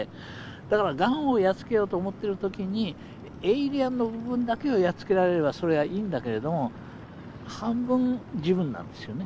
だからがんをやっつけようと思ってる時にエイリアンの部分だけをやっつけられればいいんだけど半分自分なんですよね。